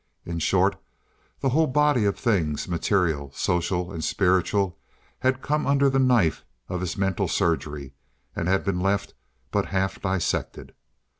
In short, the whole body of things material, social, and spiritual had come under the knife of his mental surgery and been left but half dissected.